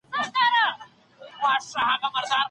له ناپوهو کسانو سره مشوره مه کوئ.